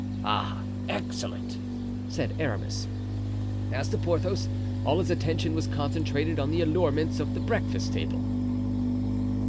"Ah! excellent!" said Aramis. As to Porthos, all his attention was concentrated on the allurements of the breakfast table.